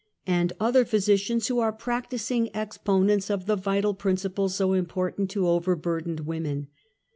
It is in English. and other physicians who are practi cal exponants of the vital principals so important to over burdened women.